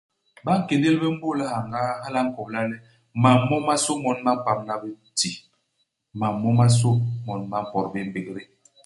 Ba nkéndél bé mbôl i hyangaa, hala a nkobla le, mam momasô mon ba mpamna bé i ti. Mam momasô mon ba mpot bé i mbégdé.